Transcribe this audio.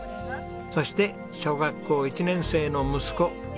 そして小学校１年生の息子樹君です。